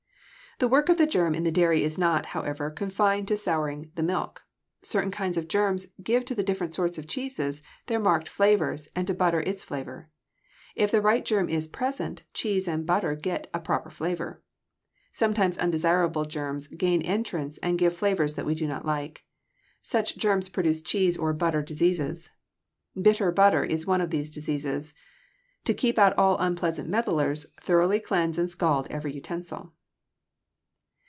The work of the germ in the dairy is not, however, confined to souring the milk. Certain kinds of germs give to the different sorts of cheeses their marked flavors and to butter its flavor. If the right germ is present, cheese or butter gets a proper flavor. Sometimes undesirable germs gain entrance and give flavors that we do not like. Such germs produce cheese or butter diseases. "Bitter butter" is one of these diseases. To keep out all unpleasant meddlers, thoroughly cleanse and scald every utensil.